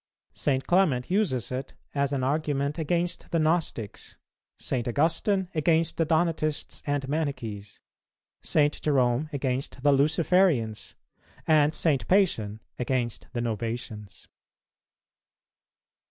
St. Clement uses it as an argument against the Gnostics, St. Augustine against the Donatists and Manichees, St. Jerome against the Luciferians, and St. Pacian against the Novatians.